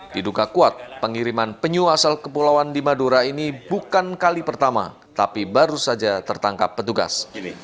diduga kuat pengiriman penyu asal kepulauan di madura ini bukan kali pertama tapi baru saja tertangkap petugas